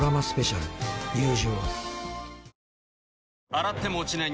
洗っても落ちない